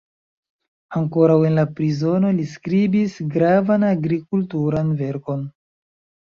Ankoraŭ en la prizono li skribis gravan agrikulturan verkon.